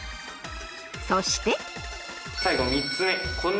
そして。